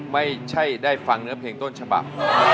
ไม่ใช่ได้ฟังเนื้อเพลงต้นฉบับ